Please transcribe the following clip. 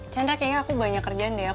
chandra kayaknya aku banyak kerjaan deh ya